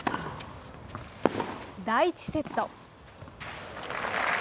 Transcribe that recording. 第１セット。